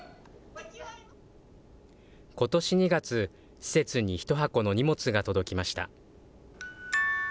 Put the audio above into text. ことし２月、施設に１箱の荷物が届きました。